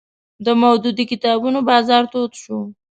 د مودودي کتابونو بازار تود شو